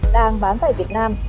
đang bán tại việt nam